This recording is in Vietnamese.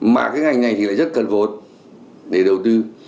mà cái ngành này thì lại rất cần vốn để đầu tư